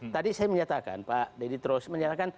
tadi saya menyatakan pak deddy trost